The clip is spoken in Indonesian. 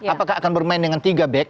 apakah akan bermain dengan tiga back